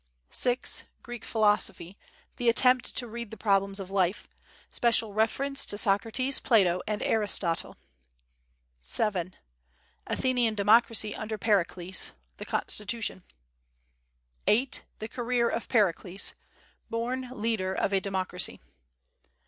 6. Greek philosophy. The attempt to read the problems of life. Special reference to Socrates, Plato and Aristotle. 7. Athenian democracy under Pericles. The Constitution. 8. The career of Pericles: born leader of a democracy.